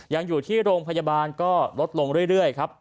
ยังอยู่ที่โรงพยาบาลก็ลดลงเรื่อยครับ